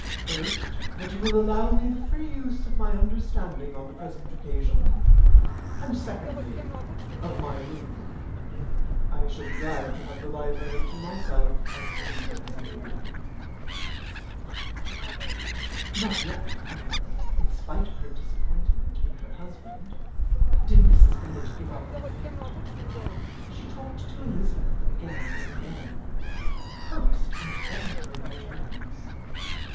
First, that you will allow me the free use of my understanding on the present occasion; and, secondly, of my room. I shall be glad to have the library to myself as soon as may be." Not yet, however, in spite of her disappointment in her husband, did Mrs. Bennet give up the point. She talked to Elizabeth again and again; coaxed and threatened her by turns.